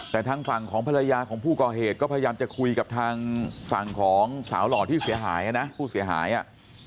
แต่ทางฝั่งของภรรยาของผู้ก่อเหตุก็พยายามจะคุยกับทางฝั่งของสาวหล่อที่เสียหายนะผู้เสียหายอ่ะ